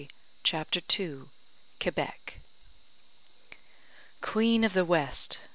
] CHAPTER II QUEBEC Queen of the West!